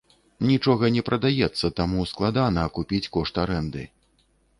Нічога не прадаецца, таму складана акупіць кошт арэнды.